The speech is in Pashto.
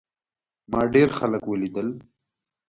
ما ډېر خلک ولیدل.